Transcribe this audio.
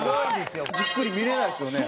じっくり見れないですよね。